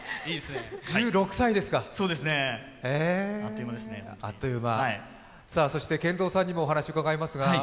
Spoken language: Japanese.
１６歳ですか、あっという間。そしてＫＥＮＺＯさんにもお話を伺います。